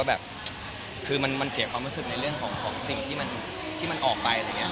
แบบมันเสียความรู้สึกในเรื่องของสิ่งที่มันออกไป